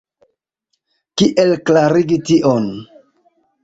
Kiel klarigi tion?